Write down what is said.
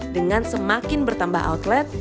dengan semakin bertambah outlet